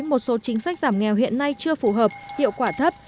một số chính sách giảm nghèo hiện nay chưa phù hợp hiệu quả thấp